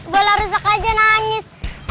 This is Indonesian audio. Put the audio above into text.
bola rusak aja nangis